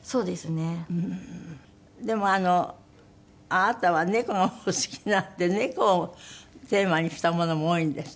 でもあのあなたは猫がお好きなんで猫をテーマにしたものも多いんですって？